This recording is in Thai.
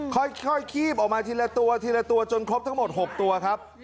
ค่อยขีบออกมาทีละตัวจนครบทั้งหมด๖ตัวครับ